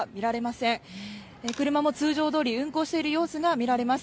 車も通常どおり運行している様子が見られます。